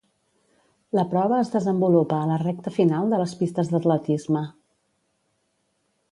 La prova es desenvolupa a la recta final de les pistes d'atletisme.